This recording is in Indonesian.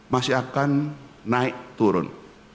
masih akan naik turun